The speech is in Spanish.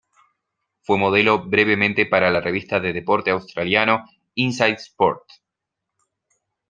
Fue modelo brevemente para la revista de deporte australiano "Inside Sport".